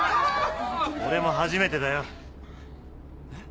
俺も初めてだよ。えっ？